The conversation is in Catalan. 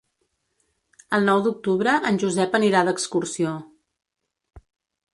El nou d'octubre en Josep anirà d'excursió.